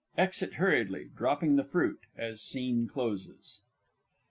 [_Exit hurriedly, dropping the fruit, as Scene closes.